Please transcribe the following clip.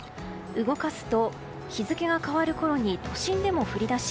動かすと、日付が変わるころに都心でも降り出し